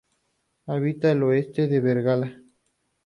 Habita en el oeste de Bengala.